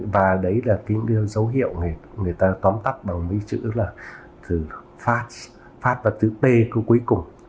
và đấy là cái dấu hiệu người ta tóm tắt bằng những chữ là từ fast fast là chữ p cuối cùng